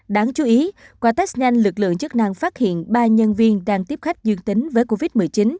đáng chú ý qua test nhanh lực lượng chức năng phát hiện ba nhân viên đang tiếp khách dương tính với covid một mươi chín